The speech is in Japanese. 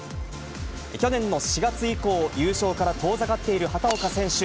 去年の４月以降、優勝から遠ざかっている畑岡選手。